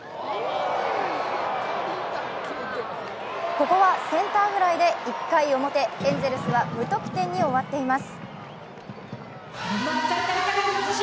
ここはセンターフライで、１回表、エンゼルスは無得点に終わっています。